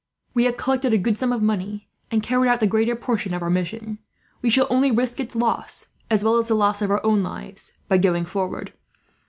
"We have collected a good sum of money, and carried out the greater portion of our mission. We shall only risk its loss, as well as the loss of our own lives, by going forward.